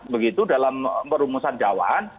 begitu dalam perumusan dakwaan